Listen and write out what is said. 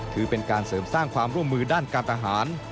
ถือเป็นการเสริมสร้างความร่วมมือด้านการทหาร